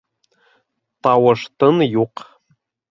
Тауыш-тын юҡ.